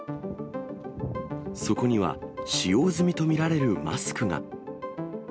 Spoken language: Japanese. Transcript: そこには使用済みと見られるマスクが。